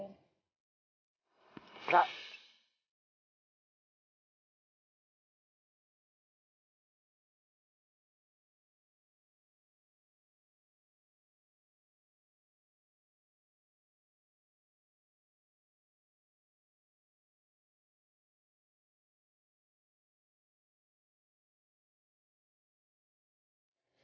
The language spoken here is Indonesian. rara harus berhenti